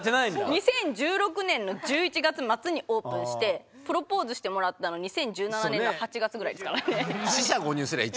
２０１６年の１１月末にオープンしてプロポーズしてもらったの２０１７年の８月ぐらいですからね。